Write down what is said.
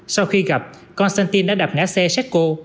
sau khi gặp konstantin đã đạp ngã xe setsko